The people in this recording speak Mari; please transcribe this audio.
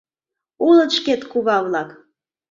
Улыт шкет кува-влак...